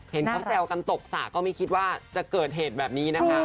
เห็นเขาแซวกันตกสระก็ไม่คิดว่าจะเกิดเหตุแบบนี้นะคะ